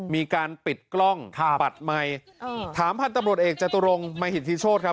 มีการปิดกล้องปัดไมค์ถามพันธุ์ตำรวจเอกจตุรงมหิตธิโชธครับ